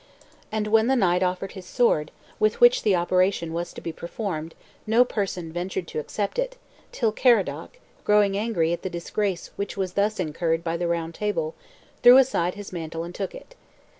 And when the knight offered his sword, with which the operation was to be performed, no person ventured to accept it, till Caradoc, growing angry at the disgrace which was thus incurred by the Round Table, threw aside his mantle and took it.